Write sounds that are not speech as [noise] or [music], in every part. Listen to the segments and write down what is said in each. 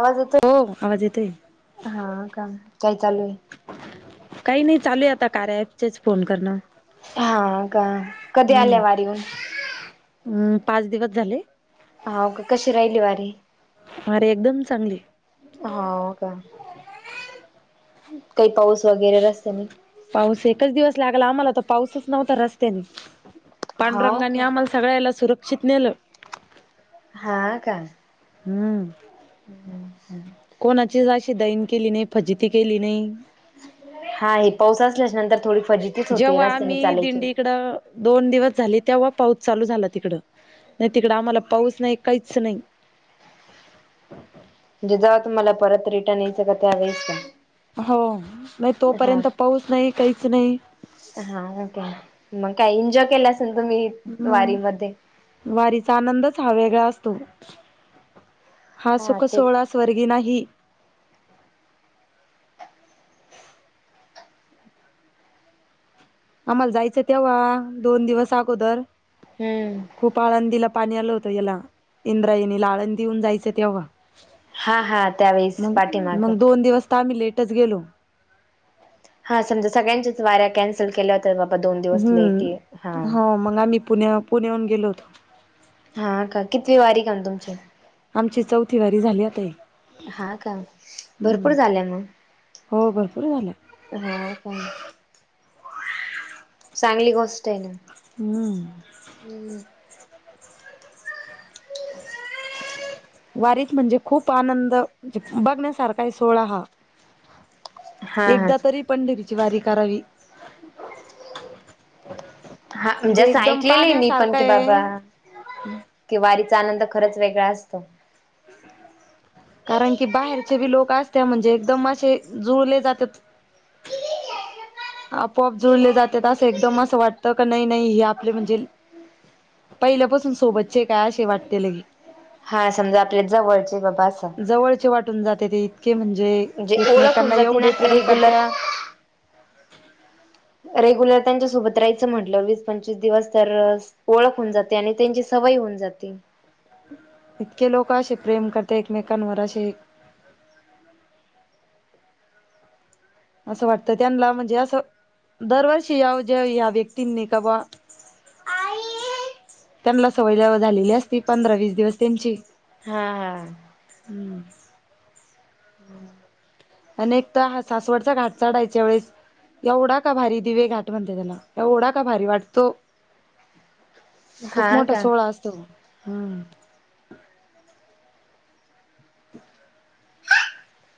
आवांज येतो हो आवाज येतोय हां कां कायं चालूं आहे कांहीं नाहीं चालूं आहे आंता कार्यालयांपचे फोन करणं हांव कां कधीं आल्यां वारी हूंन हम्मं पांच दिवसं झाले होव कां कशी राहिली वारी अरे एकदंम चांगली हां कां कांहीं पाऊस वगैरें रस्त्यांनी पाऊस एकचं दिवसं लागंला आम्हांला तरं पाऊसचं नव्हतां रस्त्यांने हाव पांडुरंगानी का आम्हांला सगळ्यांना सुरक्षित नेलं हां कां हम्मं हं हम्मं हम्मं कोणांची अशी दयन केली नाहीं फजिती केली नाहीं हां हे पाऊस असल्याचं नंतर थोडी फजितीच होते जेव्हां रस्त्याने आम्हीं चालायची. दिंडीकडं दोन दिवसं झालीं तेव्हां पाऊस चालूं झालां तिकडं आम्हांला पाऊस नाहीं कांहीं चं नाहीं म्हणजे जावं परंत यायचं कां त्यांवेेळेस कां हो नाहीं तोपर्यंत पाऊस नाहीं कांहींच नाहीं हां ओके मंग कायं एन्जॉय केलं असेल तुम्हीं मं वारीचां आनंदचं हां वेगळां असतो हां हा सुंख ते सोहळां स्वर्गी नाहीं आम्हांला जायचं तेव्हां दोन दिवसं अगोदर हम्मं खूंप आळंदीला पाणी आलं होतं यांला इंद्रायणीला आळंदी होऊंन जायचं तेव्हां हा हा त्यावेेळेस मंग पाठीमाग मंग दोन दिवसं तरं आम्हीं लेटचं गेलो हां समजां सगळ्यांच्याच वाऱ्यां कॅन्सल केल्यां होतं बाबां दोन दिवसं लेटी हां हम्म हो मंगा मी पुण्यां पुण्यांहूंन गेलो होतो हां कां कितवी वारी कांल तुमची आमची चौथी वारी झाली आंता ही हा का भरपूर हम्मं झाल्या हो भरंपूर झालं हां कां चांगली गोष्टं आहे नां हम्मं हम्मं [unintelligible] वारीक म्हणजे खूंप आनंदे बघण्यांसारखांही सोळां हां एकदां तरी पंढरीची वारी करावी [unintelligible] हां म्हणजे जसं एकदम ऐकलेले आहे मी पणं पाहण्यासारखा की बाबां आहे कि वारीचा आनंद खरंच वेगळां असतो कारणं की बाहेरचे बी लोकं असते म्हणजे एकदंम असे जुळले जातांत आपोआप जुळले जात्यात असं एकदम असं वाटतं का, नाही -नाही हे आपले म्हणजे पहिल्यापासून सोबतचे काय असे वाटते लगे. हा समजा आपल्या जवळचे हे बाबा असं. जवळचे वाटून जाते ते इतके म्हणजे म्हणजे ओळख होऊन एकमेकांना जाते ना एवढे प्रेम रेग्युलर करत्या रेग्युलर त्यांच्या सोबत राहायचं म्हंटलं वीस पंचवीस दिवस तर अ ओळख होऊन जाते आणि त्यांची सवय होऊन जाते. इतके लोकं अशे प्रेम करते एकमेकांवर अशे असं वाटतं त्यांना म्हणजे असं दरवर्षी या ज्या या व्यक्तींनी का बुवा [unintelligible] त्यांनला सवय जेव्हा झालेली असती, पंधरा वीस दिवस त्यांची हां.. हां. हं.. [unintelligible] अनेकदा हा सासवडचा घाट चढायच्या वेळेस, एवढा का भारी दिवे घाट म्हणते त्याला एवढा का भारी वाटतो, - [inaudible] खूप मोठा का सोहळा असतो. हं..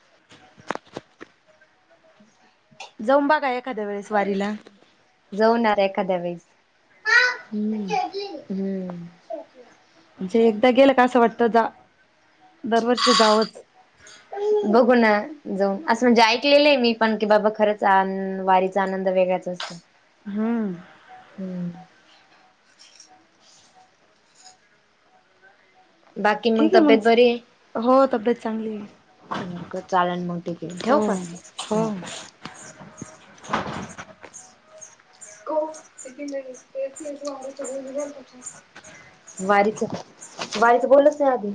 [unintelligible] जाऊन बघा एखाद्या वेळेस वारीला. जाऊ नारे एखाद्या वेळेस. हं... हं... म्हणजे एकदा गेलं का असं वाटतं जा दरवर्षी जावंच. बघू ना. जाऊन असं म्हणजे ऐकलेलं आहे मी पण की, बाबा खरंच वारीचा आनंद वेगळाच असतो. हा... ह... बाकी मग ठीक आहे तब्येत बरी आहे. हो तब्येत चांगली आहे होक चालेल मग ठीके ठेवू हो का? हो.. गो किती जणी तेच-तेच वारीचं बोलू राहता का. वारीचं, वारीचं बोललोच नाही आधी.